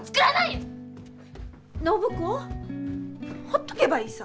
ほっとけばいいさ。